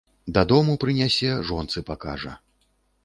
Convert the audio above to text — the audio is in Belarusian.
Дадому прынясе, жонцы пакажа.